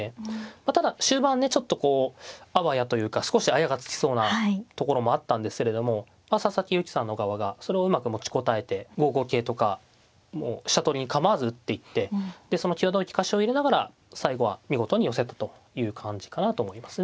ただ終盤ねちょっとこうあわやというか少しあやがつきそうなところもあったんですけれども佐々木勇気さんの側がそれをうまく持ちこたえて５五桂とかもう飛車取りに構わず打っていってでその際どい利かしを入れながら最後は見事に寄せたという感じかなと思いますね。